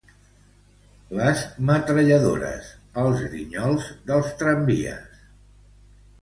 Les metralladores, els grinyols dels tramvies